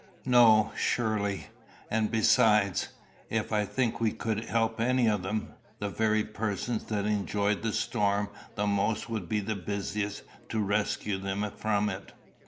"No, surely. And, besides, I think if we could help any of them, the very persons that enjoyed the storm the most would be the busiest to rescue them from it.